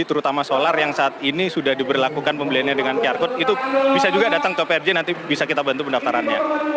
terutama solar yang saat ini sudah diberlakukan pembeliannya dengan qr code itu bisa juga datang ke prj nanti bisa kita bantu pendaftarannya